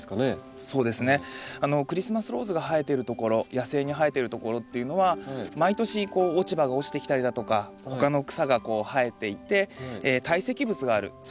クリスマスローズが生えてるところ野生に生えてるところっていうのは毎年こう落ち葉が落ちてきたりだとか他の草がこう生えていて堆積物がある。